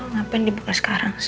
ngapain dibuka sekarang sih